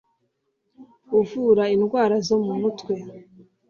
uvura indwara zo mu mutwe